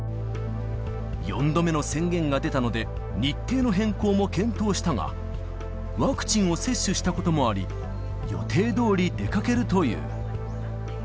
４度目の宣言が出たので、日程の変更も検討したが、ワクチンを接種したこともあり、予定どおり出かけるという。